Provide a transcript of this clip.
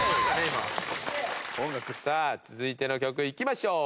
さあ続いての曲いきましょう。